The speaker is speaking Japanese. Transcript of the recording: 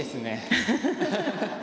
ハハハハ。